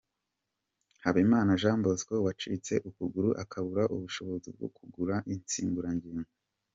Habimana Jean Bosco, wacitse ukuguru akabura ubushobozi bwo kugura insimburangingo.